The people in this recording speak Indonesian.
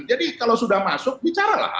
jadi kalau sudah masuk bicara lah